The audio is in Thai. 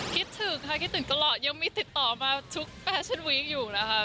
คิดถึงค่ะคิดถึงตลอดยังมีติดต่อมาทุกแฟชั่นวีคอยู่นะคะ